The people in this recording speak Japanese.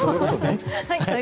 はい！